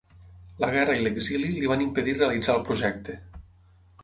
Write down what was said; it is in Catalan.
La guerra i l'exili li van impedir realitzar el projecte.